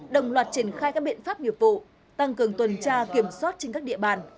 đồng loạt triển khai các biện pháp nghiệp vụ tăng cường tuần tra kiểm soát trên các địa bàn